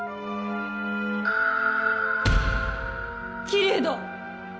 きれいだ！